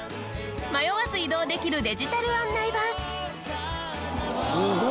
迷わず移動できるデジタル案内板。